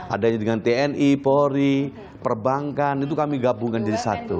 adanya dengan tni polri perbankan itu kami gabungkan jadi satu